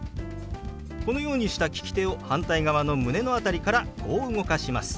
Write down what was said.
このようにした利き手を反対側の胸の辺りからこう動かします。